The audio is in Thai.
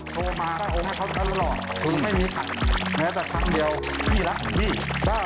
เดี๋ยวก่อนเดี๋ยวก่อน